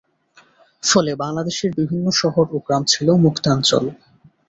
ফলে বাংলাদেশের বিভিন্ন শহর ও গ্রাম ছিল মুক্তাঞ্চল।